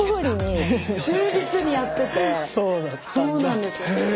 そうなんですよ。